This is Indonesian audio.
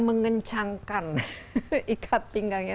mengencangkan ikat pinggangnya